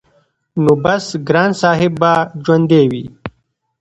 نو بس ګران صاحب به ژوندی وي-